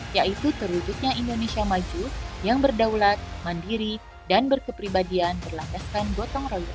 yaitu terwujudnya indonesia maju yang berdaulat mandiri dan berkepribadian berlandaskan gotong royong